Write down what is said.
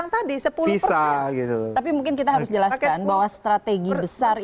tapi mungkin kita harus jelaskan bahwa strategi besar ini